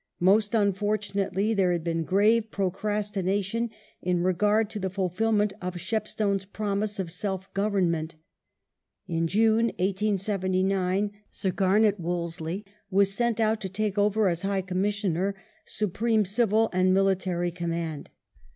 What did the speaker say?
Most unfortunately, there had been grave procrastination in regard to the fulfilment of Shepstone's promise of self government. In June, 1879, Sir Garnet Wolseley was sent out to take over, as High Commissioner, supreme civil and military command.